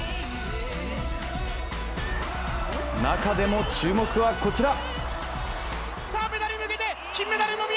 中でも注目は、こちら。